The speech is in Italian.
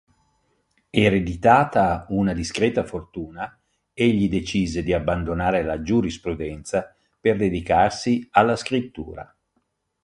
Ereditata una discreta fortuna, egli decise di abbandonare la giurisprudenza per dedicarsi alla scrittura.